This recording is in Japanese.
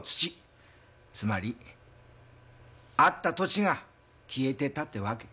つまりあった土地が消えてたってわけ。